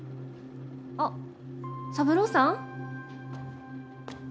あっ三郎さん？